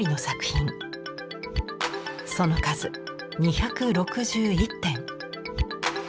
その数２６１点。